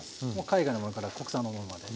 海外のものから国産のものまで。